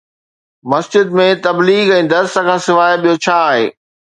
مسجد ۾ تبليغ ۽ درس کان سواءِ ٻيو ڇا آهي؟